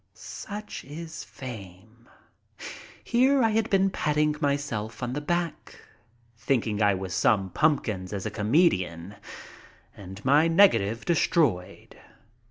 Such is fame. Here I had been patting myself on the back, thinking I was some pumpkins as a comedian, and my nega tive destroyed.